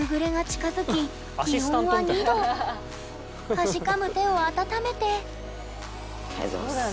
かじかむ手を温めてありがとうございます。